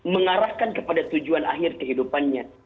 mengarahkan kepada tujuan akhir kehidupannya